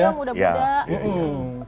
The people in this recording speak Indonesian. kecil kecil ya muda muda